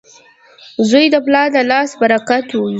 • زوی د پلار د لاس برکت وي.